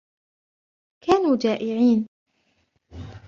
كانوا جائعين.